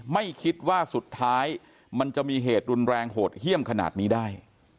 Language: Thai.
ไม่คิดว่าสุดท้ายมันจะมีเหตุรุนแรงโหดเยี่ยมขนาดนี้ได้